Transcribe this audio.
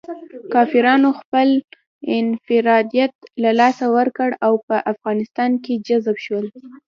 کافرانو خپل انفرادیت له لاسه ورکړ او په افغانستان کې جذب شول.